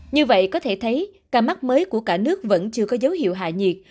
như vậy có thể thấy ca mắc mới của cả nước vẫn chưa có dấu hiệu hạ nhiệt